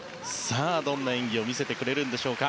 どんな演技を見せてくれるんでしょうか。